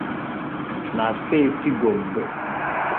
na steeti Gombe